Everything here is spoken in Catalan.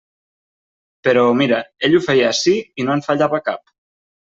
Però, mira, ell ho feia ací i no en fallava cap.